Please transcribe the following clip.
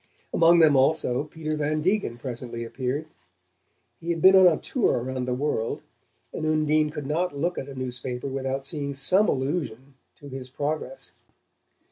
Among them also Peter Van Degen presently appeared. He had been on a tour around the world, and Undine could not look at a newspaper without seeing some allusion to his progress.